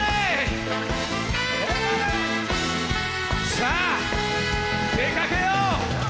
さぁ出かけよう！